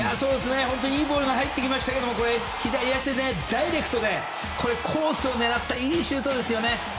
本当にいいボールが入ってきましたけど左足でダイレクトでコースを狙ったいいシュートですよね。